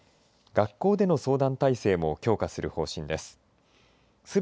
学校での相談体制も強化する方針です。